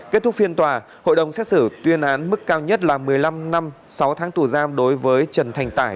kết thúc phiên tòa hội đồng xét xử tuyên án mức cao nhất là một mươi năm năm sáu tháng tù giam đối với trần thành tải